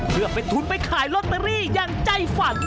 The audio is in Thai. เพื่อเป็นทุนไปขายลอตเตอรี่อย่างใจฝัน